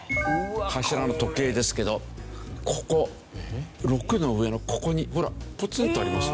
柱の時計ですけどここ６の上のここにほらぽつんとあります。